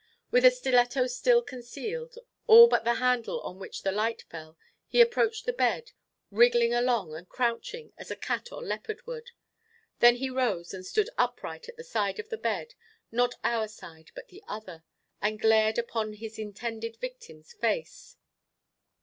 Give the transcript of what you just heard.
With a stiletto still concealed, all but the handle on which the light fell, he approached the bed, wriggling along and crouching, as a cat or leopard would. Then he rose and stood upright at the side of the bed, not our side but the other, and glared upon his intended victim's face.